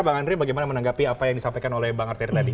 bang andre bagaimana menanggapi apa yang disampaikan oleh bang arteri tadi